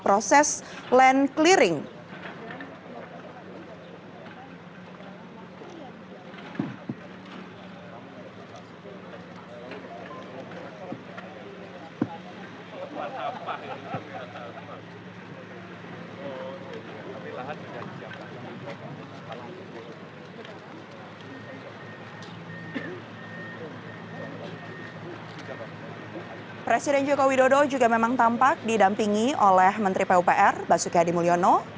presiden joko widodo juga memang tampak didampingi oleh menteri pupr basuki adi mulyono